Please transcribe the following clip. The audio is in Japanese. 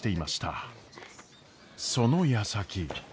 そのやさき。